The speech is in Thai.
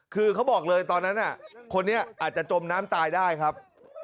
คือเขาบอกเลยตอนนั้นคนนี้อาจจะจมน้ำตายได้ครับ